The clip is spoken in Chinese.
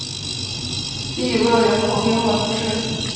蒂勒人口变化图示